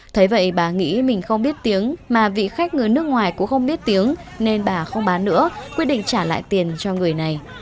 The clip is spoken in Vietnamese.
thế vậy bà nghĩ mình không biết tiếng mà vị khách người nước ngoài cũng không biết tiếng nên bà không bán nữa quyết định trả lại tiền cho người này